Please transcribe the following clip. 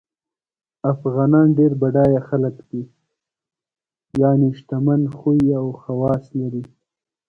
افغانان ډېر بډایه خلګ دي یعنی شتمن خوی او خواص لري